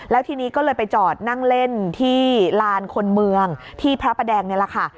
แล้วทีนี้ก็เลยไปจอดนั่งเล่นที่ลานคนเมืองที่พระประแดงนี่แหละค่ะ